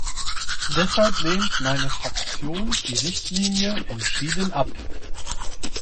Deshalb lehnt meine Fraktion die Richtlinie entschieden ab.